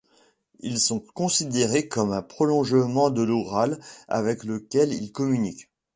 Ils sont considérés comme un prolongement de l'Oural avec lequel ils communiquent.